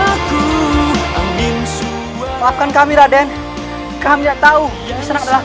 kami yang tahu yang diserang adalah raden kian santang